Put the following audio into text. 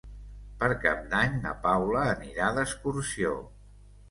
Per Cap d'Any na Paula anirà d'excursió.